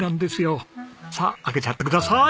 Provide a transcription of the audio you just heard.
さあ開けちゃってください！